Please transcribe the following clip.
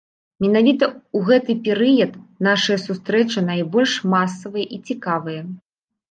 Менавіта ў гэты перыяд нашыя сустрэчы найбольш масавыя і цікавыя.